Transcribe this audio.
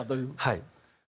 はい。